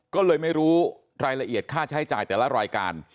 ก็เลยไม่รู้รายละเอียดค่าใช้จ่ายแต่ละรายการ